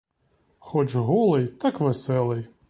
Хоч голий, так веселий!